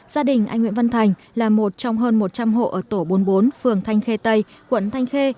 gia đình anh nguyễn văn thành là một trong hơn một trăm linh hộ ở tổ bốn mươi bốn phường thanh khê tây quận thanh khê